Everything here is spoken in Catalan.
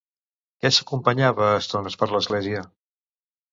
Què s'escampava a estones per l'església?